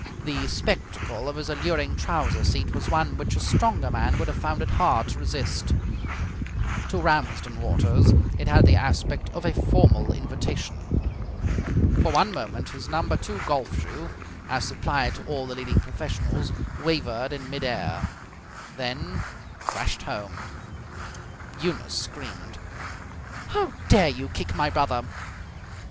The spectacle of his alluring trouser seat was one which a stronger man would have found it hard to resist. To Ramsden Waters it had the aspect of a formal invitation. For one moment his number II golf shoe, as supplied to all the leading professionals, wavered in mid air, then crashed home. Eunice screamed. "How dare you kick my brother!"